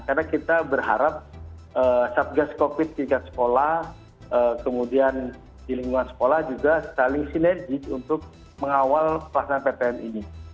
karena kita berharap sub gas covid di sekolah kemudian di lingkungan sekolah juga saling sinergi untuk mengawal pelaksanaan ptm ini